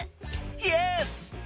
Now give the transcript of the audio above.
イエス！